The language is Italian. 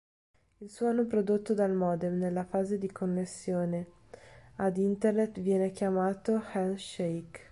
Il suono prodotto dal modem nella fase di connessione ad internet viene chiamato "handshake".